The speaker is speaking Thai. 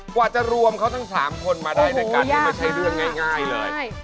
กว่าจะรวมเขาทั้ง๓คนมาได้ด้วยกันนี่ไม่ใช่เรื่องง่ายเลย